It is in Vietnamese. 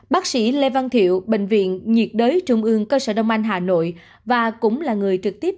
bác sĩ lê văn thiệu bệnh viện nhiệt đới trung ương cơ sở đông anh hà nội và cũng là người trực tiếp